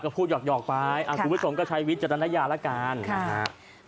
พูดหยอกไปคุณผู้ชมก็ใช้วิทยาลักษมณณ์ละกัน